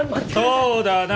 そうだな！